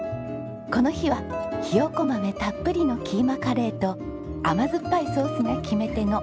この日はひよこ豆たっぷりのキーマカレーと甘酸っぱいソースが決め手の鳥もも肉のハニーマスタードです。